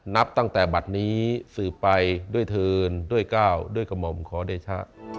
นับตั้งแต่บัตรนี้สืบไปด้วยเทินด้วยก้าวด้วยกระหม่อมขอเดชะ